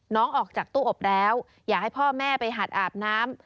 ออกจากตู้อบแล้วอยากให้พ่อแม่ไปหัดอาบน้ำ